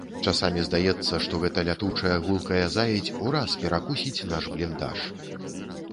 Часамі здаецца, што гэта лятучая гулкая заедзь ураз пракусіць наш бліндаж.